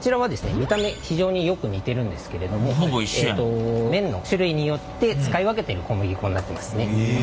見た目非常によく似てるんですけれどもえと麺の種類によって使い分けてる小麦粉になってますね。